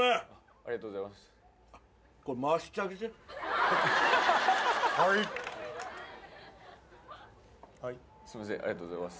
ありがとうございます。